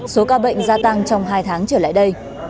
số ca bệnh gia tăng trong hai tháng trở lại đây